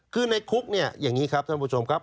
คือในคุกเนี่ยอย่างนี้ครับท่านผู้ชมครับ